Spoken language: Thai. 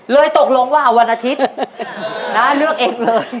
เลยตกลงว่าเอาวันอาทิตย์นะเลือกเองเลย